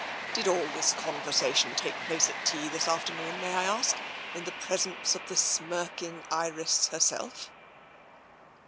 " Did all this conversation take place at tea this afternoon, may I ask, in the presence of the smirking Iris herself?